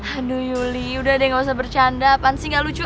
aduh yuli udah deh gak usah bercanda pan sih gak lucu